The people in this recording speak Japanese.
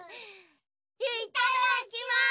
いっただきます！